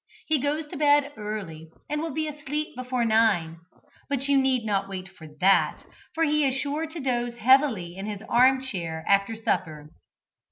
He goes to bed early and will be asleep before nine. But you need not wait for that, for he is sure to doze heavily in his arm chair after supper.